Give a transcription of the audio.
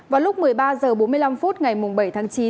vào lúc một mươi ba h bốn mươi năm phút ngày bảy tháng chín